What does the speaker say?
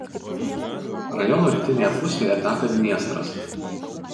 Rajono rytinėje pusėje teka Dniestras.